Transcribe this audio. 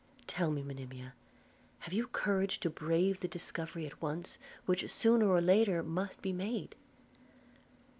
Tell me, Monimia, have you courage to brave the discovery at once, which sooner or later must be made?'